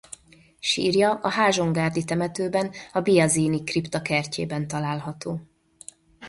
Sírja a Házsongárdi temetőben a Biasini-kripta kertjében található.